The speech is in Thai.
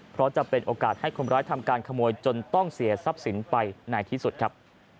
เพราะจะเป็นโอกาสให้คนร้ายทำการขโมยจนต้องเสียทรัพย์สินไปในที่สุดครับ